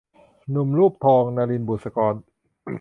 หนุ่มรูปทอง - นลิน บุษกร